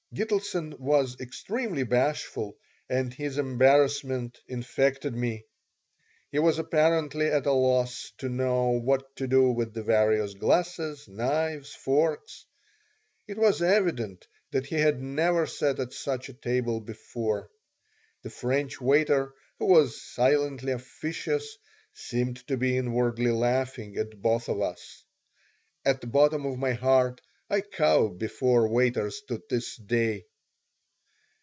Gitelson was extremely bashful and his embarrassment infected me. He was apparently at a loss to know what to do with the various glasses, knives, forks. It was evident that he had never sat at such a table before. The French waiter, who was silently officious, seemed to be inwardly laughing at both of us. At the bottom of my heart I cow before waiters to this day.